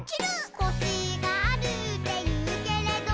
「コシがあるっていうけれど」